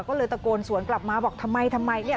ก็เลยตะโกนสวนกลับมาบอกทำไมทำไมเนี่ย